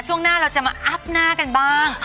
ช่วงหน้าเราจะมาอัพหน้ากันบ้าง